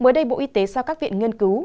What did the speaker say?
mới đây bộ y tế giao các viện nghiên cứu